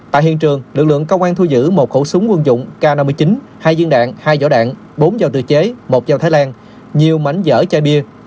tại hiện trường lực lượng công an thu giữ một khẩu súng quân dụng k năm mươi chín hai viên đạn hai giỏ đạn bốn dao tự chế một dao thái lan nhiều mảnh giở chai bia